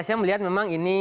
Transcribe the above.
saya melihat memang ini